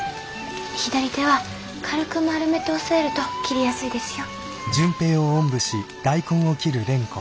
左手は軽く丸めて押せえると切りやすいですよ。